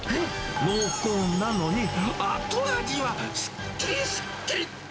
濃厚なのに後味はすっきり、すっきり。